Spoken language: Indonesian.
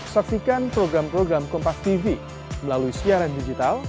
saksikan program program kompas tv melalui siaran digital